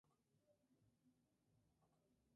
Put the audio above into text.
Hasta pronto!"".